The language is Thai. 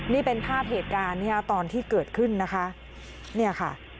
นี่เป็นภาพเหตุการณ์เนี่ยตอนที่เกิดขึ้นนะคะเนี่ยค่ะ